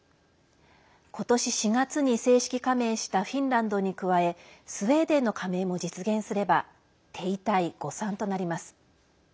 今年４月に正式加盟したフィンランドに加えスウェーデンの加盟も実現すれば手痛い誤算となります。